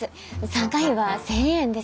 参加費は１，０００円です。